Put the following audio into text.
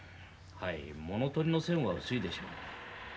はい物とりの線は薄いでしょう。